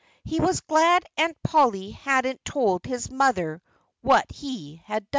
He was glad Aunt Polly hadn't told his mother what he had done.